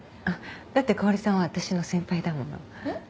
だってかほりさんは私の先輩だもの。